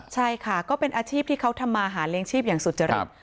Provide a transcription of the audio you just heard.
ใช่ค่ะก็เป็นอาชีพที่เขาทำมาหาเลี้ยงชีพอย่างสุจริต